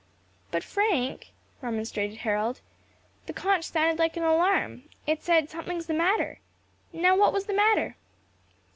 "But, Frank," remonstrated Harold, "the conch sounded an alarm. It said, Something is the matter. Now what was the matter?"